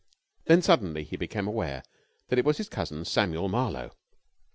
Then suddenly he became aware that it was his cousin, Samuel Marlowe.